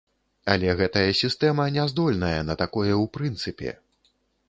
Але гэтая сістэма не здольная на такое ў прынцыпе.